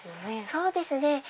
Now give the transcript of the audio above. そうですね